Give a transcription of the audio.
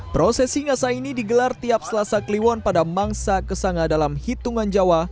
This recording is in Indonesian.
prosesi ngasa ini digelar tiap selasa kliwon pada mangsa kesanga dalam hitungan jawa